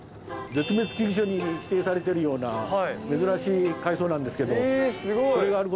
絶滅危惧種に指定されてるような珍しい海藻なんですけど。